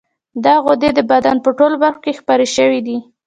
دا غدې د بدن په ټولو برخو کې خپرې شوې دي.